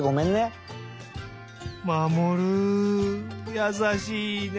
やさしいね！